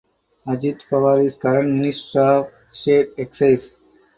Ajit Pawar is Current Minister of State Excise.